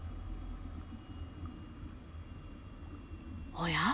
おや？